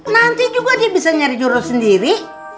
nanti juga dia bisa nyari jurus sendiri